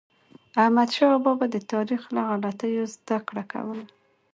احمدشاه بابا به د تاریخ له غلطیو زدهکړه کوله.